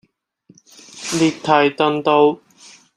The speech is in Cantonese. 列堤頓道